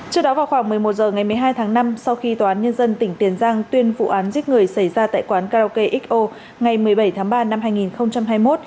trước đó vào khoảng một mươi một h ngày một mươi hai tháng năm sau khi tòa án nhân dân tỉnh tiền giang tuyên vụ án giết người xảy ra tại quán karaoke xo ngày một mươi bảy tháng ba năm hai nghìn hai mươi một